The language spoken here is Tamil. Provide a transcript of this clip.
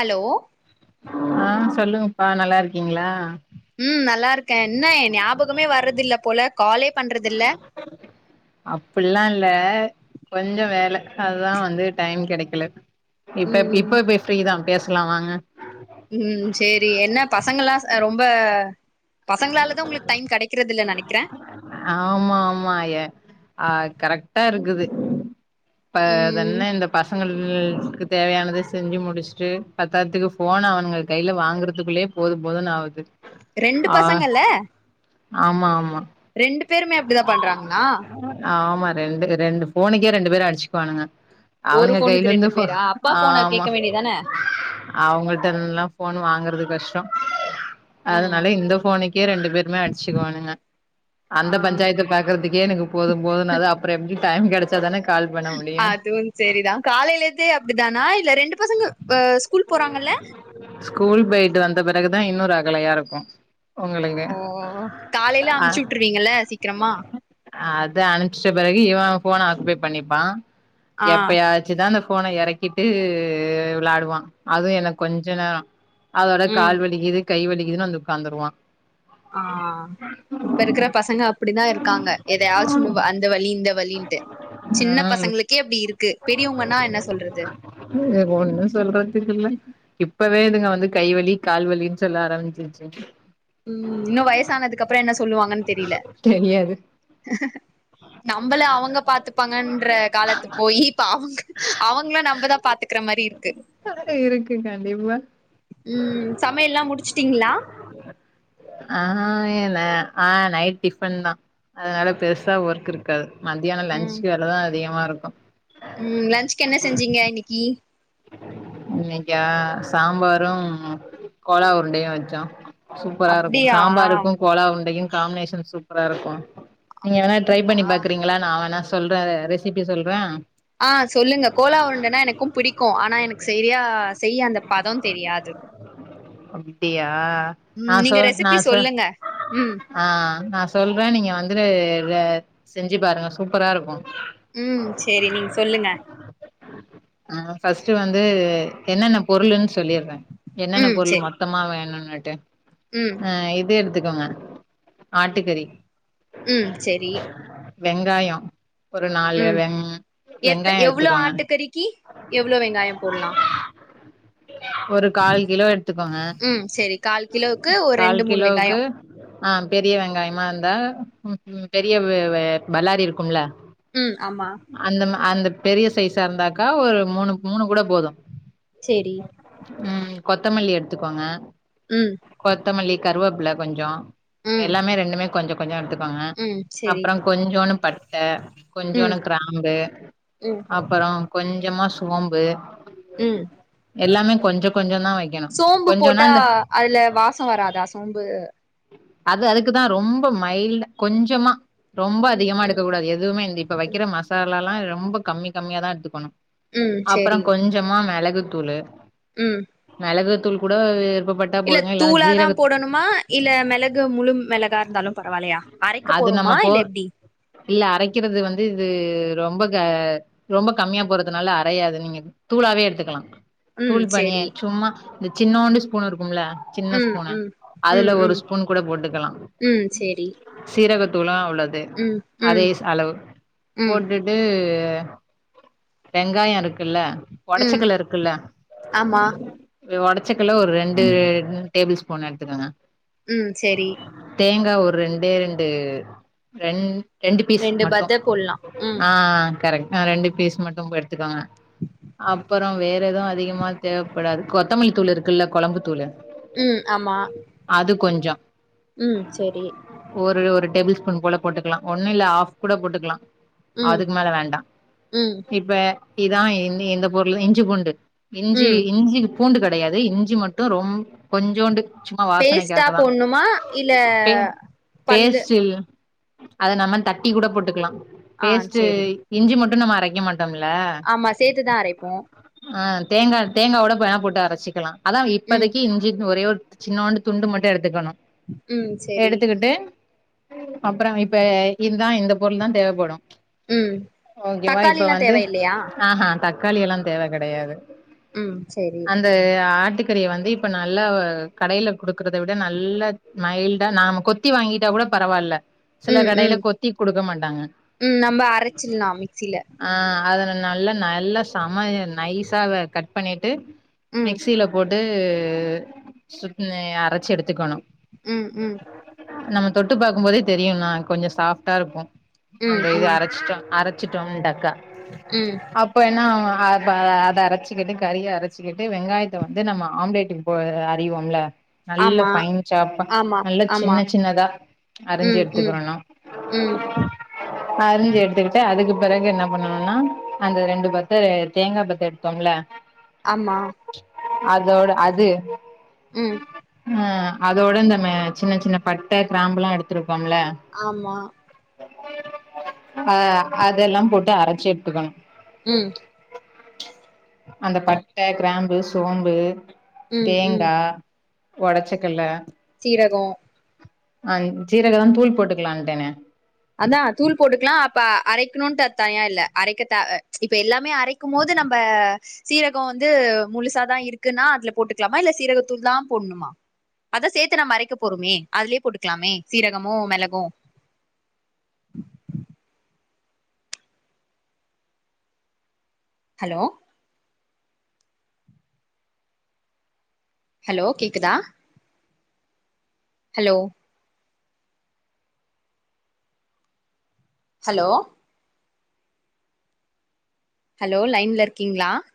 ஹலோ ஆ சொல்லுங்கப்பா நல்லா இருக்கீங்களா ம் நல்லா இருக்கே என்ன எ ஞாபகமே வர்றதுல்ல போல காலே பண்றேதுல்ல அப்பிடில்லா இல்ல கொஞ்ச வேல அதா வந்து டைம் கெடைக்கல இப்ப ம் இப்ப பேசு ஃப்ரீ தா பேசலா வாங்க ம் சேரி என்ன பசங்கல்லா அ ரொம்ப பசங்களாலதா உங்களுக்கு டைம் கெடைக்கிறதுல்லணு நெனைக்கிறே ஆமா ஆமா ஏ அ கரெக்டா இருக்குது இப்ப ம் தன்ன இந்த பசங்களுக்கு தேவையானதா செஞ்சு முடிச்சுட்டு பத்தாதுக்கு ஃபோன்ன அவனுங்க கையில்ல வாங்கறதுக்குள்ளயே போதும் போதுன்னு ஆகுது ரெண்டு பசங்கள்ல்ல ஆமா ஆமா ரெண்டு பேருமே அப்டிதா பண்றாங்களா ஆமா ரெண்டு ரெண்டு போனுக்கே ரெண்டு பேரு அடிச்சுக்குவானுங்க ஒரு அவனுங்க ஃபோனுக்கு கைலிருந்து ரெண்டு போ பேரா அப்பா ஃபோன ஆமா கேட்க வேண்டியதான அவுங்கள்டன்ல்லா ஃபோன் வாங்கறது கஷ்டோ ம் அதுனால இந்த ஃபோன்னுக்கே ரெண்டு பேருமே அடிச்சுக்குவானுங்க ஆ அந்த பஞ்சாயத்த பாக்குறதுக்கே எனக்கு போதும் போதுும் அது அப்புற எப்டி டைம் கெடச்சாதான அதுவும் சரிதா காலையில ருந்தே அப்டிதானா இல்ல ரெண்டு பசங்கு ஸ்கூல் போறாங்கல்ல ஸ்கூல் போயிட்டு வந்த பெறகுதா இன்னு ரகலையா இருக்கு ஒங்கங்களுக்கு ஓ காலையில ஆ அ அமுச்சு விட்டுருவீங்கல்ல சீக்கிரமா அத அனுச்ட்ட பெறகு இவ ஃபோன ஆக்குபை பண்ணிப்பா ஆ எப்பயா ச்சுதா அந்த ஃபோன எறக்கிட்டு விளாடுவா அதுவு என்ன கொஞ்ச நேரோ அதோட ம் கால் வலிகிது கை வலிகிதுன்னு வந்து உக்காந்துருவா ஆ அ இப்ப இருக்குற பசங்க அப்டிதா இருக்காங்க எதையாவது சுன்னுவ அந்த வழி இந்த வழின்ட்டு சின்ன ம் பசங்களுக்கே அப்டி இருக்கு பெரியவுங்கன்னா என்ன சொல்றது [unintelligible] ஒன்னுமே சொல்றதுக்கு இல்ல இப் பவே இதுங்க வந்து கைவலி கால்வலின்னு சொல்ல ஆரம்பிச்சிருச்சு ம் இன்னு வயசானதுக்கு அப்புறோ என்ன சொல்லுவாங்கன்னு தெரியல தெரியாது நம்மள அவுங்க பாத்துப்பாங்கன்ற காலத் போய் இப்ப அவுங்க அவுங்கள நம்மதா பாத்துக்க க்கிற மாரி இருக்கு இருக்கு கண்டிப்பா ம் சமையல்லா முடிச்சுட்டீங்களா ஆ இல்ல அ நைட் டிஃபன் தா அதனால பெருசா ஒர்க் இருக்காது மத்தியான ம் லன்ச்கு வேலதா அதிகமா இருக்கு ம் லன்ச்க்கு என்ன செஞ்சீங்க இன்னைக்கு இன்னைக்கா சாம்பாரு கோலா உருண்டையு வச்சோ சூப்பரா இருக்கு அப்டியா சாம்பாருக்கு கோலா உருண்டையு காம்பினேஷன் சூப்பரா இருக்கு நீங்க வேணா ட்ரை அப்டிங்களா பண்ணி பாக்குறீங்களா நா வேணா சொல்ற ரெசிபி சொல்றே ஆ சொல்லுங்க கோலா உருண்டன்னா எனக்கும் புடிக்கு ஆனா எனக்கு சரியா செய்ய அந்த பத தெரியாது இப்பயா ம் ஆ சொ நீங்க நா ரெசிபி சொ சொல்லுங்க ம் ஆ நா சொல்றே நீங்க வந்து அ செஞ்சு பாருங்க சூப்பரா இருக்கு ம் செரி நீங்க சொல்லுங்க ஆ ஃபஸ்ட்டு வந்து என்னென்ன பொருள்ன்னு சொல்லிடுறே என்னென்ன ம் பொருள் சேரி மத் தமா வேணுண்னுட்டு ம் அ இது எடுத்துக்கங்க ஆட்டுக்கறி ம் சேரி வெங்காய ஒரு நாலு ம் வெங் வெங்காய எடுத்துக்கோங்க கரிக்கு எவ்வளோ வெங்காய போடலா ஒரு கால் கிலோ எடுத்துக்கோங்க ம் சரி கால் கிலோவுக்கு ஒரு கால் ரெண்டு மூணு கிலோக்கு வெங்காயோ ஆ பெரிய வெங்காயமா இருந்தா ம் ம் பெரிய பல்லாரி இருக்கும்ல ம் ஆமா அந்த அந்த பெரிய சைஸா இருந்தாக்கா ஒரு மூணு மூணு கூட போது செரி ம் கொத்தமல்லி எடுத்துக்கோங்க ம் கொத்தமல்லி கருவேப்பிலை கொஞ்சொ ம் எல்லாமே ரெண்டுமே கொஞ்சோ கொஞ்சோ எடுத்துக்கோங்க ம் சேரி அப்பறம் கொஞ்சோன்னு பட்ட ம் கொஞ்சோன்னு கிராம்பு ம் அப்பறோ கொஞ்சமா சோம்பு ம் எல்லாமே கொஞ்ச கொஞ்ச தா வைக்கணு சோம்பு கொஞ்சனா போட்டா இந்த அதுல வாசம் வராதா சோம்பு அது அதுக்குதான் ரொம்ப மைல்டா கொஞ்சமா ரொம்ப ம் அதிகமா எடுக்க ம் கூடாது எதுவுமே இந்த இப்ப ம் வைக்கிற மசால எல்லா ரொம்ப கம்மி கம்மியாதா எடுத்துக்கணு ம் சேரி அப்பறம் கொஞ்சமா மெளகுத்தூளு ம் மெளகு தூள் கூட விருப்பப்பட் இல்ல தூளாதா போடணுமா இல்ல மெளகு முழு மெளகா இருந்தாலு பரவாயில்லையா அரைக்க அது நம்ம போறோமா போ இல்ல எப்டி இல்ல அரைக்கிறது வந்து இது ரொம்ப க ரொம்ப கம்மியா போறதுனால அரையாது நீங்க தூளாவே எடுத்துக்கலா ம் தூள் சேரி பனியன் சும்மா இந்த சின்னோண்டு ஸ்பூன் இருக்கும்ல சின்ன ம் ஸ்பூன் ம் ம் அதுல ஒரு ம் ஸ்பூன் கூட போட்டுக்கலா ம் சேரி சீரகத்தூளும் உள்ளது ம் அதே ம் அளவு ம் போட்டுட்டு இது வெங்காய இருக்குல்ல ம் ஒடச்சக்கல்ல இருக்குல்ல ஆமா ஒடச்சக்கல்ல ஒரு ரெண்டு இது ரெண்டு டேபிள் ஸ்பூன் எடுத்துக்கங்க ம் சேரி தேங்கா ஒரு ரெண்டே ரெண்டு ரெண் ரெண்டு பீஸ் மட்டு பத்த போட்லா ம் அ கரெட் ரெண்டு பீஸ் மட்டும் போய் எடுத்துக்கோங்க அப்பறம் வேற எதுவு அதிகமா தேவப்படாது கொத்தமல்லி தூள் இருக்குல்ல கொழம்பு தூளு ம் ஆமா அது கொஞ்சோ ம் சரி ஒரு ஒரு டேபிள் ஸ்பூன் போல போட்டுக்கலாம் ஒண்ணும் இல்ல ஆஃப் கூட போட்டுக்கலா ம் அதுக்கு மேல வேண்டா ம் இப்ப இதான் இ இந்த பொருள் இஞ்சி பூண்டு இஞ்சி ம் இஞ்சி பூண்டு கெடையாது இஞ்சி மட்டு ரொம்ப கொஞ்சோண்டு சும்மா பேஸ்ட்டா வாசனைக்காக தா போட்ணுமா இல்ல பே பல்லு பேஸ்ட் இல்ல அதை நம்ம தட்டி கூட போட்டுக்கலா ஆ பேஸ்ட் சேரி இஞ்சி மட்டு நம்ம அரைக்க மாட்டோ ஆமா சேத்துதா அரைப்போ [unintelligible] அ தேங்கா தேங்காவோட வேணா போட்டு அரைச்சிக்கலா அதான் ம் இப்பதைக்கு இஞ்சின் ஒரே ஒரு சின்னொண்டு துண்டு மட்டு எடுத்துக்கணும் ம் சேரி எடுத்துக்கிட்டு அப்பறம் இப்ப இதுதான் இந்த பொருள் தா தேவப்படும் ம் ஓகேவா இப்ப தக்காளிலா வந்து தேவ இல்லையா அ ஹா தக்காளி எல்லா தேவை கெடையாது ம் சேரி அந்த ஆட்டுக் [unintelligible] வந்து இப்ப நல்லா அ கடையில குடுக்கறத விட நல்ல மைல்டா நாம கு சுத்தி வாங்கிட்டா கூட பரவாயில்ல சில ம் கடையில ம் கொத்தி குடுக்க மாட்டாங்க ம் நம்ம அரச்சிட்லா மிக்சில அ அதனை நல்லா நல்லா சம நைஸாக கட் பண்ணிட்டு ம் மிக்சியில போட்டு சு அரைச்சு எடுத்துக்கணும் ம் ம் நம்ம தொட்டு பாக்கும் போதே தெரியு நா கொஞ்சோ சாஃப்ட்டா இருப்போ ம் அந்த இது ம் அரச்சிட்டோம் அரச்சிட்டோம்டக்கா ம் இப்ப என்னா அத அத அரச்சுக்கிட்டு கறிய அரச்சுக்கிட்டு வெங்காயத் த வந்து நம்ம ஆம்லேட்டு்க்கு போ அறிவோம்ல நல்ல ஆமா ஃபைன் சாப்பா ஆமா நல்ல ஆமா சின்ன சின்னதா அறிஞ்சி ம் ம் எடுத்துக்கிறோணோ ம் அரிஞ்சு எடுத்துக்கிட்டு அதுக்கு பெறகு என்ன பண்ணணோம்னா அந்த ரெண்டு பத்த தேங்கா பத்த எடுத் இருக்கோம்ல ஆமா அதோட அது உம் ஆ அதோட நம்ம சின்ன சின்ன பட்ட கிராம்புல்லா எடுத்துருக்கோம்ல ஆமா அ அதெல்லா போட்டு அரச்சி எடுத்துக்கனோ உம் அந்த பட்ட கிராம்பு சோம்பு ம் ம் தேங்கா ஒடச்சக்கல்ல சீரகோ அ ஜீரகோ தூள் போட்டுக்கலான்ட்டனே அதா தூள் போட்டுக்கலா அப்ப அரைக்கணோனு தனியா இல்ல அரைக்கத்தா இப்ப எல்லாமே அரைக் இருக்கும் போது நம்ப சீரகோ வந்து முழுசாதா இருக்குன்னா அதுல போட்டுக்கலாமா இல்ல சீரகத்தூள் தா போடணுமா அத சேத்து நம்ம அறைக்க போறோமே அதுலயே போட்டுக்கலாமே சீரகமோ மெளகோ ஹலோ ஹலோ கேக்குதா ஹலோ ஹலோ ஹலோ லைன்ல இருக்கீங்களா